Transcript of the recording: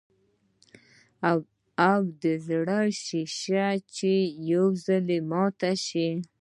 او د زړۀ شيشه چې ئې يو ځل ماته شوه